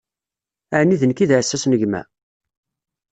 ɛni d nekk i d aɛessas n gma?